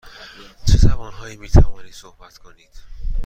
چه زبان هایی می توانید صحبت کنید؟